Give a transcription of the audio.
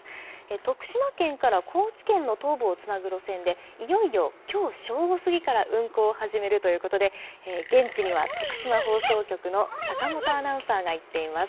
徳島県から高知県の東部をつなぐ路線で、いよいよきょう正午過ぎから運行を始めるということで、現地には徳島放送局の坂本アナウンサーが行っています。